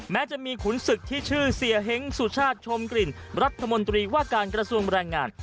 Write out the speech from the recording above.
แม้จะมีขุนศึกที่ชื่อเสียเฮ้งสุชาติชมกลิ่นรัฐมนตรีว่าการกระทรวงแรงงาน